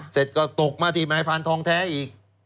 เสร็จก็ตกมาที่นายพานทองแท้อีก